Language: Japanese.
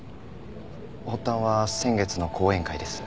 発端は先月の講演会です。